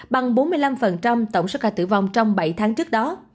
bằng bốn mươi năm tổng số ca tử vong trong bảy tháng trước đó